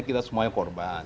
kita semuanya korban